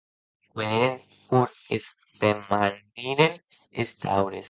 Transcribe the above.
Cuelheren pòur e premaniren es taures.